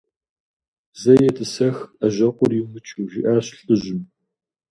«Зэ етӏысэх, ӏэжьэкъур йумычу», жиӏащ лӏыжьым.